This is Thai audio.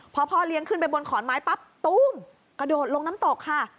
พอพ่อเลี้ยงขึ้นไปบนขอนไม้ปั๊บตู้มกระโดดลงน้ำตกค่ะ